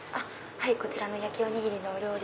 こちらの焼きおにぎりのお料理。